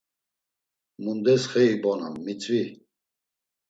Mundes xe ibonam, mitzvi?